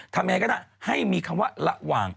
ทำยังไงก็ได้ให้มีคำว่าระหว่าง